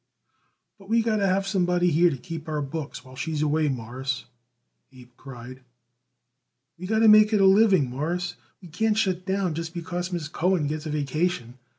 "But we got to have somebody here to keep our books while she's away, Mawruss," Abe cried. "We got to make it a living, Mawruss. We can't shut down just because Miss Cohen gets a vacation.